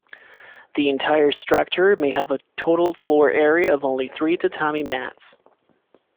The entire structure may have a total floor area of only three tatami mats.